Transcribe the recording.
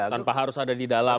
tanpa harus ada di dalam